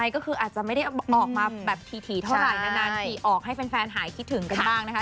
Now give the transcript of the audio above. ก็คืออาจจะไม่ได้ออกมาแบบถี่เท่าไหร่นานทีออกให้แฟนหายคิดถึงกันบ้างนะคะ